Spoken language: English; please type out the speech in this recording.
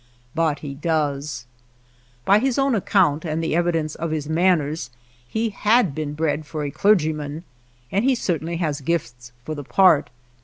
But he does. By his own account and the evi dence of his manners he had been bred for a clergyman, and he certainly has gifts for the part.